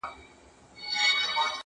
• نه یې خدای او نه یې خلګو ته مخ تور سي..